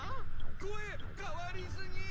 声かわりすぎ！